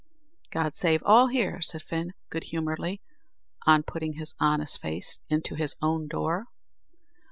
"God save all here!" said Fin, good humouredly, on putting his honest face into his own door.